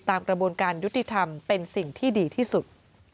กระบวนการยุติธรรมเป็นสิ่งที่ดีที่สุด